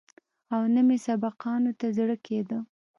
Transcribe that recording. او نه مې سبقانو ته زړه کېده.